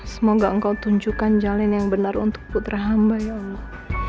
semoga engkau tunjukkan jalan yang benar untuk putra hamba ya allah